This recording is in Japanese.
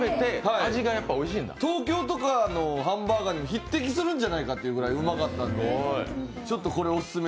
東京とかのハンバーガーにも匹敵するんじゃないかってぐらいうまかったんでちょっとオススメ